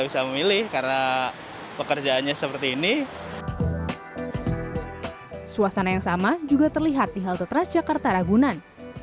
suasana yang sama juga terlihat di halte transjakarta ragunan